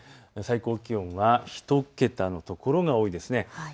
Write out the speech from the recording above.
最高気温は１桁の所が多いですね。